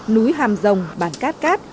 núi hàm rồng bàn cát cát